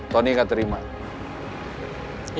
tapi gak pada mirac lower lagi